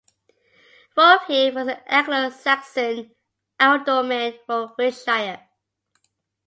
Wulfhere was the Anglo Saxon ealdormen for Wiltshire.